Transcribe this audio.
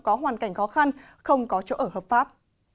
có hoàn cảnh khó khăn không có chỗ ở hợp pháp